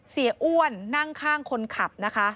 เสียอ้วนนั่งข้างคนขับนะคะ